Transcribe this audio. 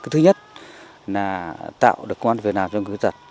thứ nhất là tạo được quan việc nào cho người khuyết tật